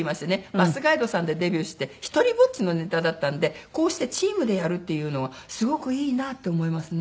バスガイドさんでデビューして独りぼっちのネタだったんでこうしてチームでやるっていうのはすごくいいなって思いますね。